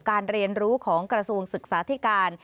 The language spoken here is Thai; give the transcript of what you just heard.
เรียนรู้ของกระทรวงศึกษาธิการ